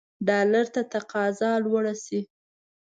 ډالرو ته تقاضا لوړه شي.